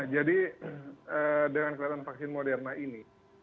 jadi dengan kelelahan vaksin moderna ini